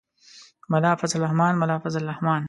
مولانا فضل الرحمن، مولانا فضل الرحمن.